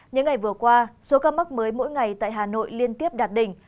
những ngày vừa qua số ca mắc mới mỗi ngày tại hà nội liên tiếp đạt đỉnh